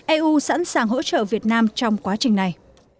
eu sẵn sàng hỗ trợ việt nam trong quá trình này